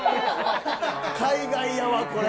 海外やわこれ。